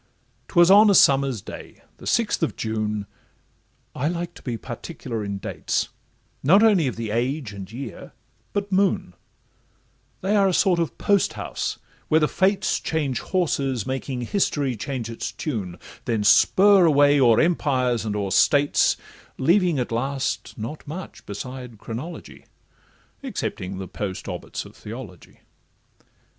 'Twas on a summer's day—the sixth of June:— I like to be particular in dates, Not only of the age, and year, but moon; They are a sort of post house, where the Fates Change horses, making history change its tune, Then spur away o'er empires and o'er states, Leaving at last not much besides chronology, Excepting the post obits of theology.